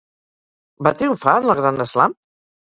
Va triomfar en el Grand Slam?